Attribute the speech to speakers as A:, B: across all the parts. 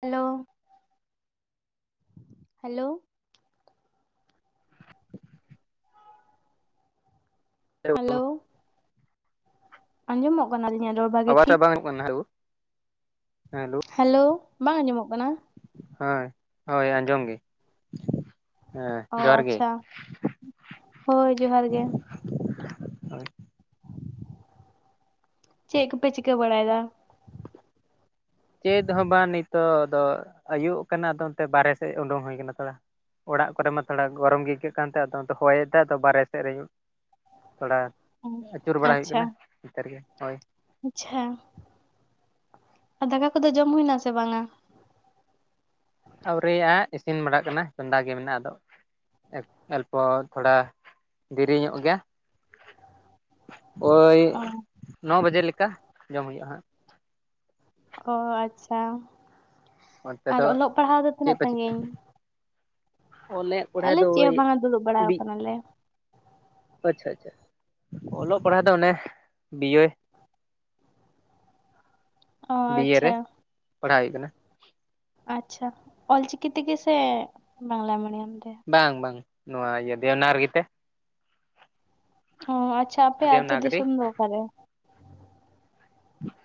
A: Hello hello hello ᱟᱸᱡᱚᱢᱚᱜ ᱠᱟᱱᱟ ᱟᱹᱞᱤᱧᱟ ᱨᱚᱲ ᱵᱷᱟᱜᱤ ᱴᱷᱤᱠ?
B: [unintelligible] ᱦᱮᱞᱳ᱾
A: ᱦᱮᱞᱳ, ᱵᱟᱝ ᱟᱸᱡᱚᱢᱚᱜ ᱠᱟᱱᱟ?
B: ᱦᱮᱸ ᱦᱳᱭ ᱟᱸᱡᱚᱢ ᱜᱮ᱾ ᱦᱮᱸ
A: ᱚ
B: ᱡᱚᱦᱟᱨ ᱜᱮ
A: ᱟᱪᱪᱷᱟ, ᱦᱳᱭ ᱡᱚᱦᱟᱸᱨ ᱜᱮ᱾
B: ᱦᱳᱭ
A: ᱪᱮᱫ ᱠᱚᱯᱮ ᱪᱤᱠᱟ ᱵᱟᱲᱟᱭ ᱫᱟ?
B: ᱪᱮᱫ ᱦᱚᱸ ᱵᱟᱝ ᱱᱤᱛᱚᱜ ᱫᱚ, ᱟᱹᱭᱩᱵ ᱠᱟᱱᱟ ᱟᱫᱚ ᱚᱱᱛᱮ ᱵᱟᱨᱦᱮ ᱥᱮᱫ ᱩᱱᱰᱩᱠ ᱦᱩᱭ ᱟᱠᱟᱱᱟ ᱛᱷᱚᱲᱟ᱾ ᱚᱲᱟᱜ ᱠᱚᱨᱮ ᱢᱟ ᱛᱷᱚᱲᱟ ᱜᱚᱨᱚᱢ ᱜᱮ ᱟᱹᱭᱠᱟᱹᱜ ᱠᱟᱱ ᱛᱟᱦᱮᱸ ᱟᱫᱚ ᱚᱱᱛᱮ ᱦᱚᱭᱮᱫ ᱛᱟᱦᱮᱸ ᱟᱫᱚ ᱵᱟᱨᱮ ᱥᱮᱫ ᱨᱮ ᱤᱧ ᱼᱼ ᱛᱷᱚᱲᱟ ᱟᱹᱪᱩᱨ ᱵᱟᱲᱟ ᱦᱩᱭᱩᱜ
A: ᱟᱪᱪᱷᱟ
B: ᱠᱟᱱᱟ, ᱱᱮᱛᱟᱨ ᱜᱮ ᱦᱳᱭ᱾
A: ᱟᱪᱪᱷᱟ, ᱟ ᱫᱟᱠᱟ ᱠᱚᱫᱚ ᱡᱚᱢ ᱦᱩᱭᱱᱟ ᱥᱮ ᱵᱟᱝᱼᱟ?
B: ᱟᱹᱣᱨᱤᱭᱟᱜᱼᱟ ᱤᱥᱤᱱ ᱵᱟᱲᱟᱜ ᱠᱟᱱᱟ ᱪᱚᱸᱫᱟ ᱜᱮ ᱢᱮᱱᱟᱜᱼᱟ ᱟᱫᱚ ᱮ ᱮᱞᱯᱚ ᱛᱷᱚᱲᱟ ᱫᱮᱨᱤ ᱧᱚᱜ ᱜᱮᱭᱟ᱾ ᱳᱭ
A: ᱚ
B: ᱱᱚ ᱵᱟᱡᱮ ᱞᱮᱠᱟ, ᱡᱚᱢ ᱦᱩᱭᱩᱜᱼᱟ ᱦᱟᱸᱜ᱾
A: ᱚ ᱟᱪᱪᱷᱟ,
B: ᱚᱱᱛᱮ
A: ᱟᱨ
B: ᱫᱚ
A: ᱚᱞᱚᱜ ᱯᱟᱲᱦᱟᱣ ᱫᱚ ᱛᱤᱱᱟᱹᱜ ᱥᱟᱹᱜᱤᱧ?
B: ᱚᱞᱮᱼᱼ
A: ᱟᱞᱮ ᱪᱮᱜ ᱦᱚᱸ ᱵᱟᱝᱟ ᱫᱩᱲᱩᱵ ᱵᱟᱲᱟᱣ ᱟᱠᱟᱱᱟᱞᱮ᱾
B: ᱟᱪᱪᱷᱟ ᱟᱪᱪᱷᱟ, ᱚᱞᱚᱜ ᱯᱟᱲᱦᱟᱣ ᱫᱚ ᱚᱱᱮ, ᱵᱤᱭᱮ᱾
A: ᱚ
B: ᱵᱤᱭᱮ
A: ᱟᱪᱪᱷᱟ
B: ᱨᱮ ᱯᱟᱲᱦᱟᱣ ᱦᱩᱭᱩᱜ ᱠᱟᱱᱟ᱾
A: ᱟᱪᱪᱷᱟ, ᱚᱞᱪᱤᱠᱤ ᱛᱮᱜᱮ ᱥᱮ ᱵᱟᱝᱞᱟ ᱢᱤᱰᱤᱭᱟᱢ ᱛᱮ?
B: ᱵᱟᱝ ᱵᱟᱝ ᱱᱚᱣᱟ ᱤᱭᱟᱹ ᱫᱮᱵᱱᱟᱣᱨᱜᱤ ᱛᱮ᱾
A: ᱚ, ᱟᱪᱪᱷᱟ ᱟᱯᱮ ᱟᱛᱳ
B: ᱫᱮᱵᱽᱱᱟᱜᱨᱤ
A: ᱫᱤᱥᱚᱢ ᱫᱚ ᱚᱠᱟᱨᱮ?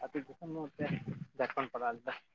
B: ᱟᱹᱛᱩ ᱫᱤᱥᱚᱢ ᱫᱚ ᱡᱷᱟᱲᱠᱷᱚᱸᱱ [unintelligible]